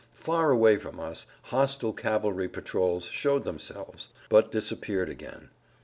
Far away from us hostile cavalry patrols showed themselves, but disappeared again.